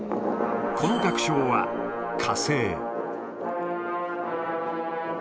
この楽章は火星。